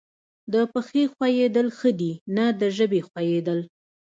د پښې ښویېدل ښه دي نه د ژبې ښویېدل.